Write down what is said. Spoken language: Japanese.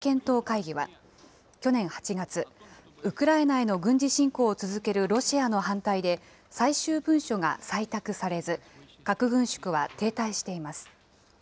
世界の核軍縮の方向性を議論するＮＰＴの再検討会議は、去年８月、ウクライナへの軍事侵攻を続けるロシアの反対で、最終文書が採択されず、核軍縮は停滞しています。